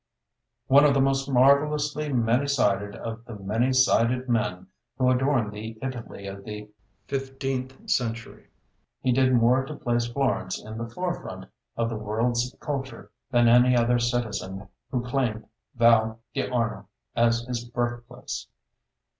One of the most marvellously many sided of the many sided men who adorned the Italy of the fifteenth century, he did more to place Florence in the forefront of the world's culture than any other citizen who claimed Val d'Arno as his birthplace.